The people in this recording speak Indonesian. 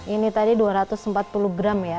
ini tadi dua ratus empat puluh gram ya